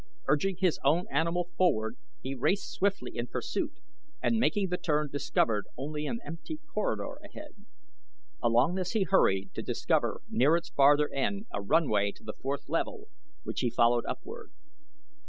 Urging his own animal forward he raced swiftly in pursuit and making the turn discovered only an empty corridor ahead. Along this he hurried to discover near its farther end a runway to the fourth level, which he followed upward.